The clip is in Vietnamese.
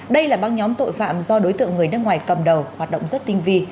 đây là băng nhóm tội phạm do đối tượng người nước ngoài cầm đầu hoạt động rất tinh vi